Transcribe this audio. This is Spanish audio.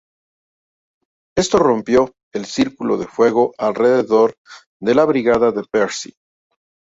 Esto rompió el círculo de fuego alrededor de la brigada de Percy.